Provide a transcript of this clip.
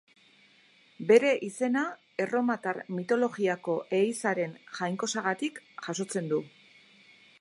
Bere izena, erromatar mitologiako ehizaren jainkosagatik jasotzen du.